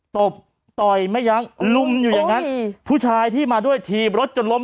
ตบต่อยไม่ยั้งลุมอยู่อย่างนั้นผู้ชายที่มาด้วยถีบรถจนล้ม